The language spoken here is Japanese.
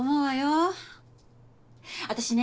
私ね